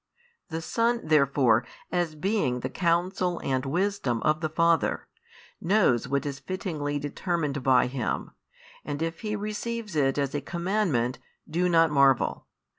The Son, therefore, as being the Counsel and Wisdom of the Father, knows what is fittingly determined by Him; and if He receives it as a commandment, do not marvel.